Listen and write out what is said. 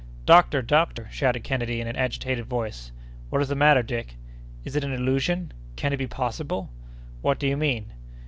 "Doctor! doctor!" shouted Kennedy in an agitated voice. "What is the matter, Dick?" "Is it an illusion? Can it be possible?" "What do you mean?"